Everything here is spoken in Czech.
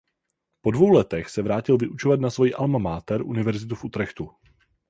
Po dvou letech se vrátil vyučovat na svojí alma mater univerzitu v Utrechtu.